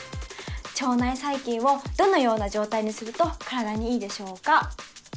腸内細菌をどのような状態にすると体にいいでしょうか